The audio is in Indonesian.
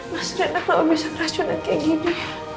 mas rina kalau bisa beracunin kayak gini